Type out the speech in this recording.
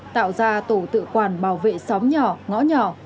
tạo ra tổ tự quản bảo vệ xóm nhỏ ngõ nhỏ